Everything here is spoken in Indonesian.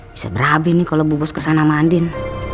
bisa berhabis nih kalau bu bos kesana sama andin